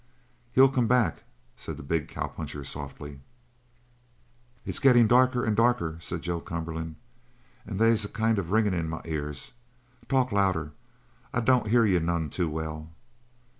"He'll come back," said the big cowpuncher softly. "It's gettin' darker and darker," said Joe Cumberland, "and they's a kind of ringing in my ears. Talk louder. I don't hear you none too well."